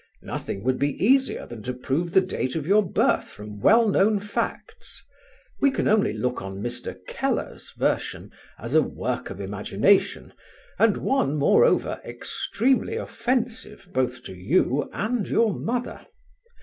Nothing would be easier than to prove the date of your birth from well known facts; we can only look on Mr. Keller's version as a work of imagination, and one, moreover, extremely offensive both to you and your mother.